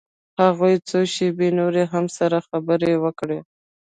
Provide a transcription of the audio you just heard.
هغوى څو شېبې نورې هم سره خبرې وکړې.